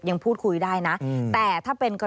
ฟังเสียงอาสามูลละนิทีสยามร่วมใจ